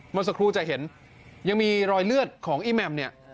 เมื่อสักครู่จะเห็นยังมีรอยเลือดของอีแหม่มเนี่ย